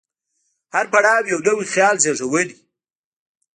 هر پړاو یو نوی خیال زېږولی.